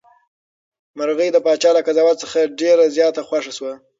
مرغۍ د پاچا له قضاوت څخه ډېره زیاته خوښه شوه.